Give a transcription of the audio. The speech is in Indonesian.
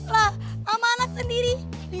sama anak sendiri